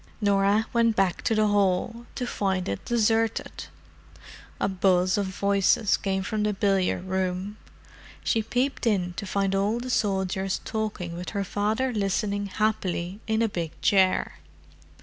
Norah went back to the hall—to find it deserted. A buzz of voices came from the billiard room; she peeped in to find all the soldiers talking with her father listening happily in a big chair.